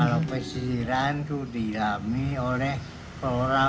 kalau pesisiran itu diilami oleh orang orang